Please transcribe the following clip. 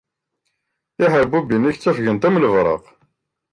Tiḥerbunin-ik ttafgent am lebraq.